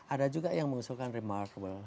ada juga yang mengusulkan remarkable